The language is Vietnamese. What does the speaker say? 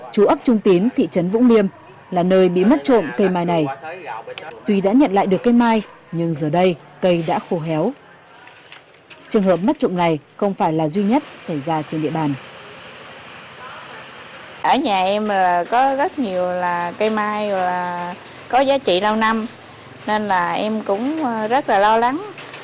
trong trung tín thị trấn vũng liêm là nơi bị mất trộm cây mai này tuy đã nhận lại được cây mai nhưng giờ đây cây đã khổ héo trường hợp mất trộm này không phải là duy nhất xảy ra trên địa bàn